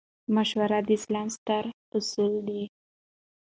مشوره د اسلام ستر اصل دئ.